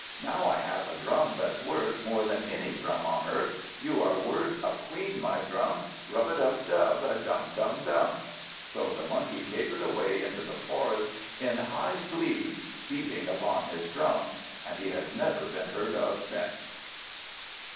Now I have a drum, that's worth More than any drum on earth. You are worth a queen, my drum! Rub a dub dub, dhum dhum dhum!" So the Monkey capered away into the forest in high glee, beating upon his drum, and he has never been heard of since.